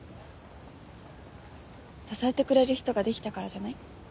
支えてくれる人ができたからじゃない？